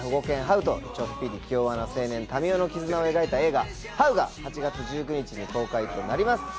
ハウとちょっぴり気弱な青年民夫の絆を描いた映画『ハウ』が８月１９日に公開となります。